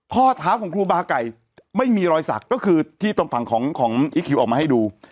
ข้อเท้าของครูบาไก่ไม่มีรอยสักก็คือที่ตรงฝั่งของอีคคิวออกมาให้ดู